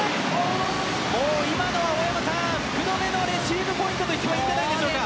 もう今のは大山さん、福留のレシーブポイントと言ってもいいんじゃないでしょうか。